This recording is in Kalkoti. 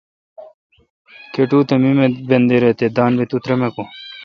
کٹو تہ۔ می بندیر اے°،دان بی تو ترمکون